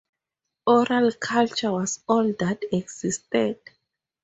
Oral culture was all that existed.